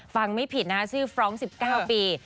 ไม่ผิดนะฮะชื่อฟร้อง๑๙ปี